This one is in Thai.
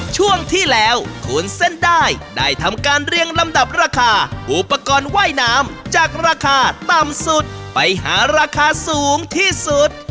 ช่วงที่แล้วคุณเส้นได้ได้ทำการเรียงลำดับราคาอุปกรณ์ว่ายน้ำจากราคาต่ำสุดไปหาราคาสูงที่สุด